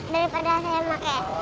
daripada saya pakai